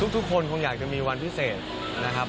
ทุกคนคงอยากจะมีวันพิเศษนะครับ